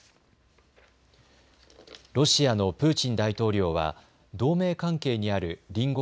ロシアのプーチン大統領は同盟関係にある隣国